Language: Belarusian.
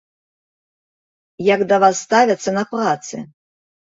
Як да вас ставяцца на працы?